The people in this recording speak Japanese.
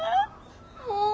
もう！